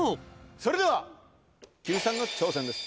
それでは菊池さんの挑戦です。